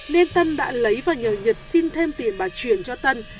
nên tân đã lấy và nhờ nhật xin thêm tiền bà chuyển cho tân